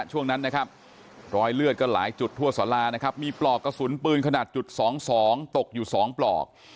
ช่วงนั้นนะครับรอยเลือดก็หลายจุดทั่วสารานะครับมีปลอกกระสุนปืนขนาดจุด๒๒ตกอยู่๒ปลอก